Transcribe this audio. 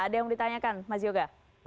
ada yang ditanyakan mas yoga